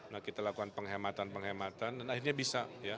nah kita lakukan penghematan penghematan dan akhirnya bisa ya